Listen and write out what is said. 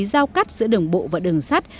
giao cắt giữa đường bộ và đường sắt